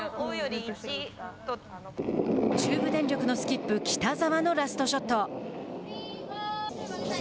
中部電力のスキップ北澤のラストショット。